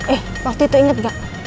eh waktu itu inget gak